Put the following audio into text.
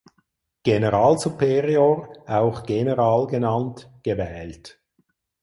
Generalsuperior (auch "General" genannt) gewählt.